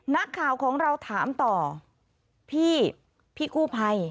นักข่าวของเราถามต่อพี่กู้ภัย